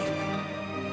dan aku akan berusaha